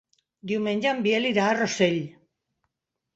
Diumenge en Biel irà a Rossell.